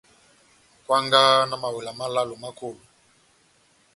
Kwangaha na mawela málálo má kolo.